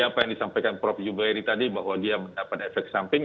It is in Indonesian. apa yang disampaikan prof jubairi tadi bahwa dia mendapat efek samping